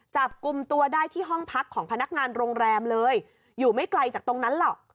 จับกลุ่มตัวได้ที่ห้องพักของพนักงานโรงแรมเลยอยู่ไม่ไกลจากตรงนั้นหรอก